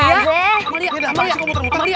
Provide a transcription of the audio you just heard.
aduh aduh amalia amalia